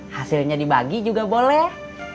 hasilnya dibagi juga boleh